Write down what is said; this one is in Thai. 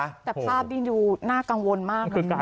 แต่ภาพนี้ดูน่ากังวลมากถ้ากลัวด้วย